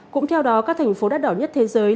cũng theo đó các thành phố đắt đỏ nhất thế giới